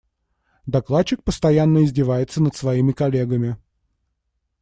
Докладчик постоянно издевается над своими коллегами.